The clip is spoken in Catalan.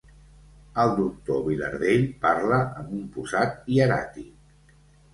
El doctor Vilardell parla amb un posat hieràtic.